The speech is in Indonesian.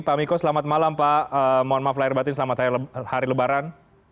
pak miko selamat malam pak mohon maaf lahir batin selamat hari lebaran